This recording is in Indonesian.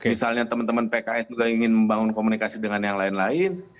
misalnya teman teman pks juga ingin membangun komunikasi dengan yang lain lain